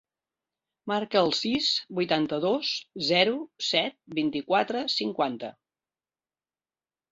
Marca el sis, vuitanta-dos, zero, set, vint-i-quatre, cinquanta.